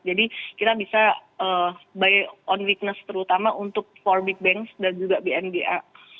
jadi kita bisa buy on weakness terutama untuk empat big banks dan juga bnba